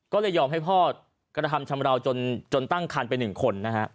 ก็เรียกยอมให้พ่อการทำชำมาราวจนจนตั้งคันไปหนึ่งคน